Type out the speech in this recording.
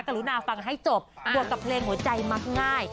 รุณาฟังให้จบบวกกับเพลงหัวใจมักง่าย